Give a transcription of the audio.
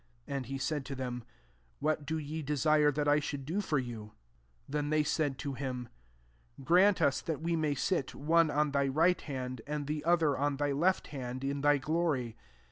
*' 36 And he said to them, " What do ye desire that I should do for you ?" 37 Then they said 9^ MARK %l. to him, " Grant us that we may sit, one on thy right hand, and the other on thy left hand, in thy giory."